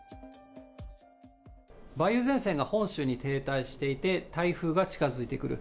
梅雨前線が本州に停滞していて、台風が近づいてくる。